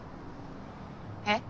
えっ？